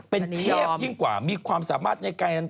เป็นเทพยิ่งกว่ามีความสามารถในการ